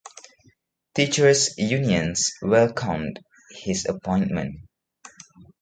Teachers unions welcomed his appointment.